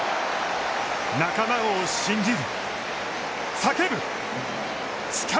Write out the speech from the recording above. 仲間を信じる。